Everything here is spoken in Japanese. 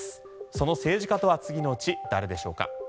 その政治家とは次のうち誰でしょうか。